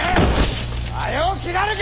早う斬らぬか！